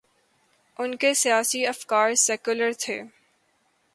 ان کے سیاسی افکار سیکولر تھے۔